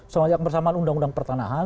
sama yang bersamaan undang undang pertanahan